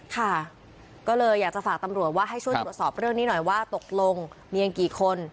ค่ะก็เลยอยากจะฝากตำรวจว่าให้ช่วยตรวจสอบเรื่องนี้หน่อยว่าตกลงมีกันกี่คน